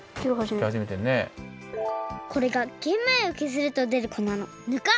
これがげん米をけずるとでるこなのぬか。